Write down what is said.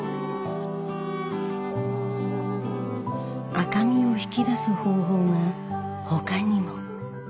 赤みを引き出す方法が他にも。